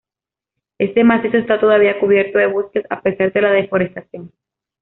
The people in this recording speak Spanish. Este macizo está todavía cubierto de bosques a pesar de la deforestación.